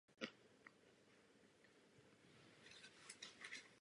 Pravidla a zdroje slouží k produkci a reprodukci společenských systémů.